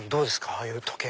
ああいう時計。